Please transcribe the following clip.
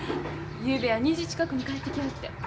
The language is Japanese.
ゆうべは２時近くに帰ってきはって。